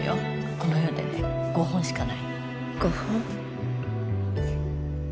この世でね５本しかないの５本？